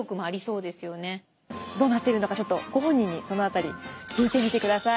どうなっているのかちょっとご本人にその辺り聞いてみてください。